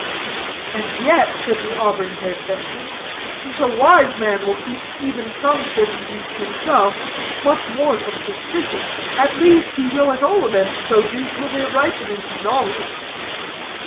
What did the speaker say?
"And yet," said the auburn haired gentleman, "since a wise man will keep even some certainties to himself, much more some suspicions, at least he will at all events so do till they ripen into knowledge."